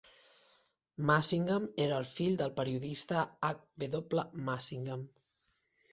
Massingham era el fill del periodista H. W. Massingham.